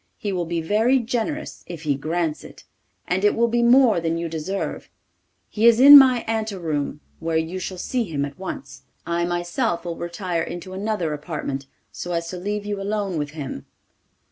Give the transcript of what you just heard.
He will be very generous if he grants it, and it will be more than you deserve. He is in my ante room, where you shall see him at once. I myself will retire into another apartment, so as to leave you alone with him.